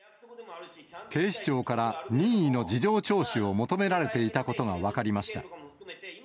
警視庁から任意の事情聴取を求められていたことが分かりました。